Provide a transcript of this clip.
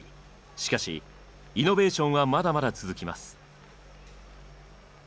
しかしイノベーションはまだまだ続きます。